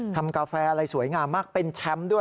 กาแฟอะไรสวยงามมากเป็นแชมป์ด้วย